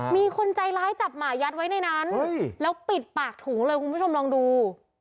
มีคนใจร้ายจับหมายัดไว้ในนั้นแล้วปิดปากถุงเลยคุณผู้ชมลองดู